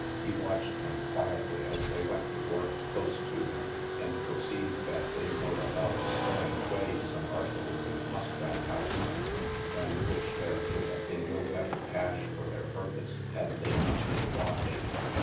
He watched them quietly, as they went to work close to him, and perceived that they were about stowing away some articles in a musk rat house, than which there could have been no better cache for their purpose, had they not been watched.